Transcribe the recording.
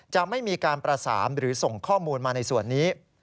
จะไม่มีการประสานหรือส่งข้อมูลมาในส่วนนี้